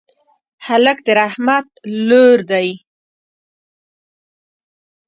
هلک د رحمت لور دی.